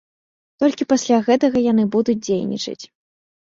Толькі пасля гэтага яны будуць дзейнічаць!